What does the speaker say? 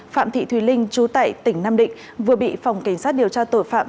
phạm thị thùy linh chú tại tỉnh nam định vừa bị phòng cảnh sát điều tra tội phạm